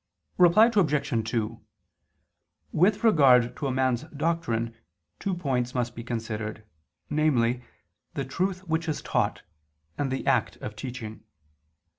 Reply Obj. 2: With regard to a man's doctrine two points must be considered, namely, the truth which is taught, and the act of teaching.